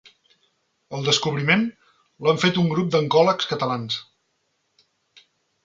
El descobriment l'han fet un grup d'oncòlegs catalans